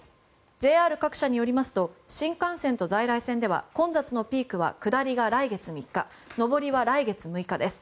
ＪＲ各社によりますと新幹線と在来線では混雑のピークは下りは来月３日上りは来月６日です。